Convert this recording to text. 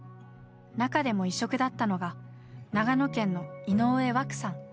中でも異色だったのが長野県の井上湧さん。